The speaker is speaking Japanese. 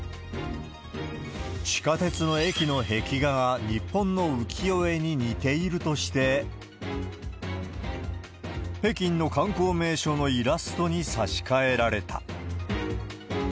地下鉄の駅の壁画が日本の浮世絵に似ているとして、北京の観光名所のイラストに差し替えられた。